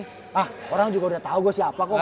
hah orang juga udah tau gue siapa kok